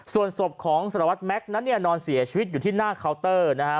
ส่วนศพของสารวัตรแม็กซ์นั้นเนี่ยนอนเสียชีวิตอยู่ที่หน้าเคาน์เตอร์นะฮะ